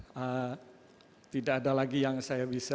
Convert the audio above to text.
karena tidak ada lagi yang saya bisa